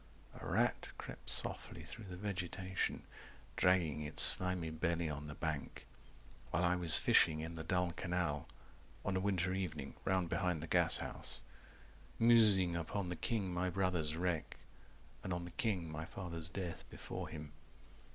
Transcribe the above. A rat crept softly through the vegetation Dragging its slimy belly on the bank While I was fishing in the dull canal On a winter evening round behind the gashouse 190 Musing upon the king my brother's wreck And on the king my father's death before him.